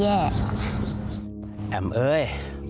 ซ้ายขวาซ้าย